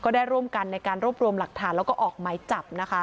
ได้ร่วมกันในการรวบรวมหลักฐานและออกไหมจับ